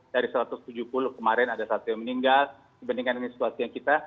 dari satu ratus tujuh puluh kemarin ada satu yang meninggal dibandingkan ini situasi yang kita